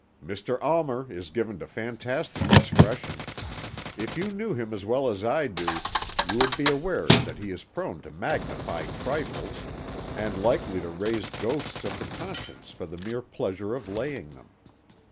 "Mr. Almer is given to fantastic expression. If you knew him as well as I do you would be aware that he is prone to magnify trifles, and likely to raise ghosts of the conscience for the mere pleasure of laying them.